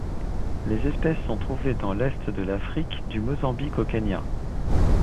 Les espèces sont trouvées dans l'est de l'Afrique, du Mozambique au Kenya.